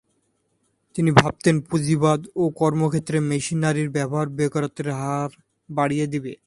তিনি ভাবতেন পুঁজিবাদ ও কর্মক্ষেত্রে মেশিনারির ব্যবহার বেকারত্বের হার বাড়িয়ে দিবে।